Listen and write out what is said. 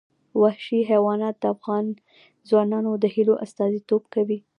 وحشي حیوانات د افغان ځوانانو د هیلو استازیتوب کوي.